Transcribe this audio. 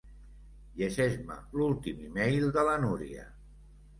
Llegeix-me l'últim email de la Núria.